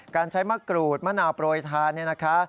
การใช้มะกรูดมะนาวโปรยทานเนี่ยนะคะ